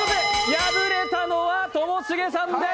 敗れたのはともしげさんです。